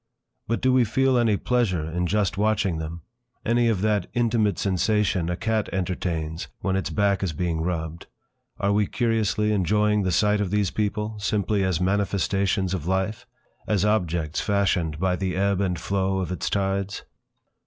But do we feel any pleasure in just watching them; any of that intimate sensation a cat entertains when its back is being rubbed; are we curiously enjoying the sight of these people, simply as manifestations of life, as objects fashioned by the ebb and flow of its tides?